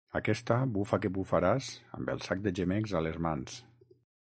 Aquesta bufa que bufaràs amb el sac de gemecs a les mans.